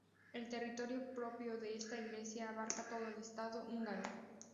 El territorio propio de esta Iglesia abarca todo el Estado húngaro.